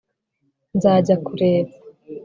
nzajya kureba